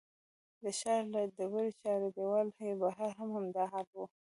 د ښار له ډبرین چاردیوالۍ بهر هم همدا حال و.